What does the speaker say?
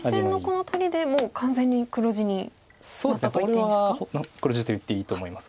これは黒地と言っていいと思います。